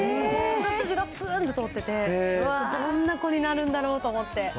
鼻筋がすーっと通ってて、どんな子になるんだろうと思って。